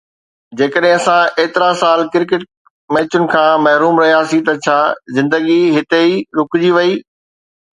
جيڪڏهن اسان ايترا سال ڪرڪيٽ ميچن کان محروم رهياسين ته ڇا زندگي هتي ئي رڪجي وئي؟